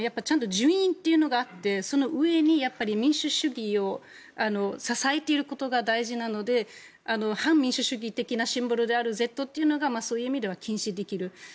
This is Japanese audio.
ちゃんと人権というのがあってその上に民主主義を支えていることが大事なので反民主主義的なシンボルであるＺというのがそういう意味では禁止できる。